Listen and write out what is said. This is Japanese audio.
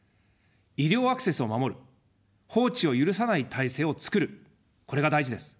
医療アクセスを守る、放置を許さない体制を作る、これが大事です。